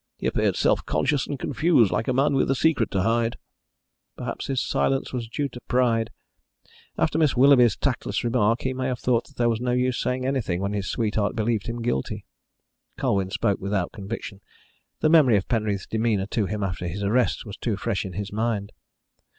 He appeared self conscious and confused, like a man with a secret to hide." "Perhaps his silence was due to pride. After Miss Willoughby's tactless remark he may have thought there was no use saying anything when his sweetheart believed him guilty." Colwyn spoke without conviction; the memory of Penreath's demeanour to him after his arrest was too fresh in his mind.